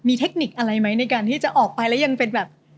มีเทคนิคอะไรไหมในการที่จะออกไปแล้วยังเป็นแบบ